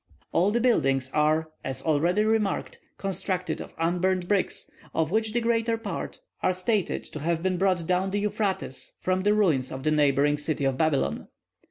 All the buildings are, as already remarked, constructed of unburnt bricks, of which the greater part are stated to have been brought down the Euphrates, from the ruins of the neighbouring city of Babylon.